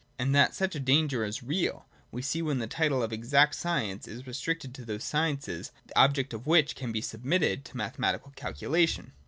And that such a danger is real, we see when the title of exact science is restricted to those sciences the objects of which can be submitted to mathematical calculation.